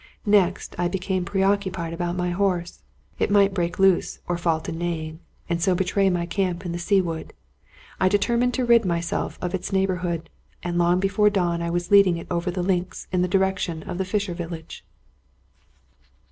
Next I became preoccupied about my horse. It might break loose, or fall to neighing, and so betray my camp in the Sea Wood. I determined to rid myself of its neighborhood; and long before dawn I was leading it over the links in the direction of the fisher village.